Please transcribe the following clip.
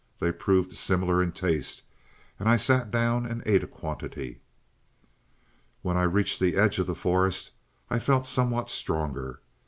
They proved similar in taste, and I sat down and ate a quantity. "When I reached the edge of the forest I felt somewhat stronger.